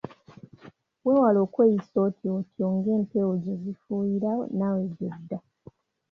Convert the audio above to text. Weewale okweyisa otyo otyo ng'empewo gye zifuuyira naawe gy'odda.